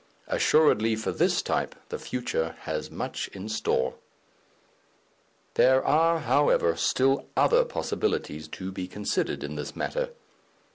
Assuredly for this type the future has much in store. There are, however, still other possibilities to be considered in this matter.